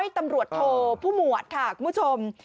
ตำรวจโทผู้หมวดค่ะคุณผู้ชม